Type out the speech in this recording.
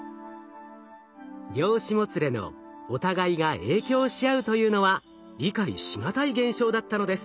量子もつれの「お互いが影響し合う」というのは理解し難い現象だったのです。